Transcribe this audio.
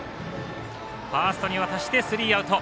ファーストに渡してスリーアウト。